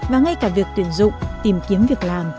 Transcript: và ngay cả việc tuyển dụng tìm kiếm việc làm